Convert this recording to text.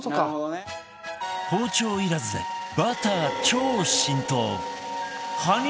包丁いらずでバター超浸透！